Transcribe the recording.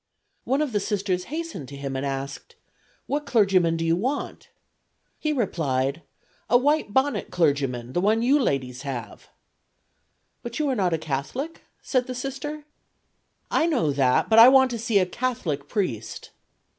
One of the Sisters hastened to him and asked: "What clergyman do you want?" He replied: "A white bonnet clergyman; the one you ladies have." "But you are not a Catholic?" said the Sister. "I know that, but I want to see a Catholic priest."